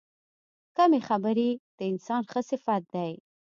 کمې خبرې، د انسان ښه صفت دی.